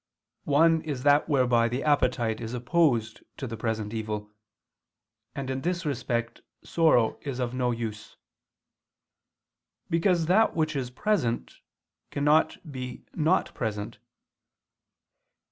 One is that whereby the appetite is opposed to the present evil; and, in this respect, sorrow is of no use; because that which is present, cannot be not present.